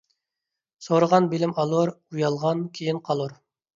• سورىغان بىلىم ئالۇر، ئۇيالغان كېيىن قالۇر.